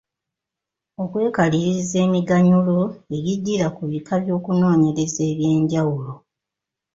Okwekaliriza emiganyulo egijjira ku bika by’okunoonyereza eby’enjawulo.